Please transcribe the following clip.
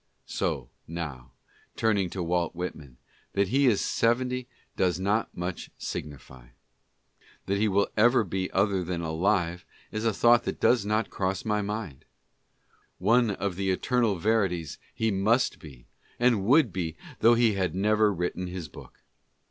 So, now, turning to Walt Whitman, that he is seventy does not much signify. That he will ever be other than alive is a thought that does not cross my mind. One of the eternal verities he must be and would be though he had never written his book.